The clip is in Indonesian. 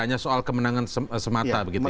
hanya soal kemenangan semata begitu ya